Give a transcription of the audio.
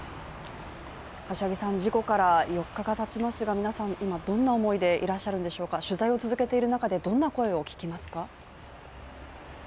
事故から４日がたちますが、皆さん今、どんな思いでいらっしゃるんでしょうか、取材を続けている中で、どんな声を聞きますか。